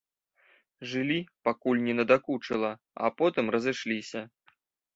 Жылі, пакуль не надакучыла, а потым разышліся.